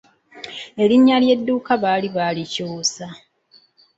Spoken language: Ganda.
Erinnya ly'edduuka baali baalikyusa.